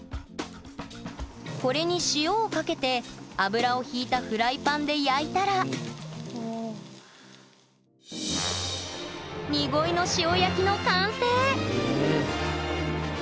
これに塩をかけて油をひいたフライパンで焼いたらの完成！